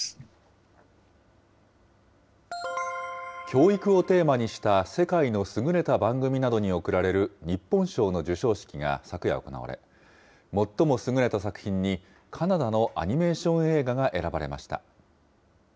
教育をテーマにした世界の優れた番組などに贈られる日本賞の授賞式が昨夜行われ、最も優れた作品に、カナダのアニメーション映画が選ばれました。